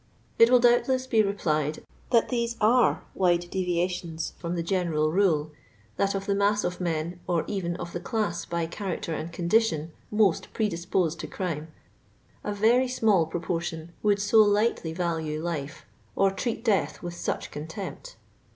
'* It will doubtless be replied that these are wide deyiations from the general rule ; that of the mass of men, or even of the class by character and condition most predisposed to crime, a very small proportion would so lightly value life or treat death with such contempt.